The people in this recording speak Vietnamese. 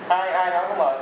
ai ai nói không mời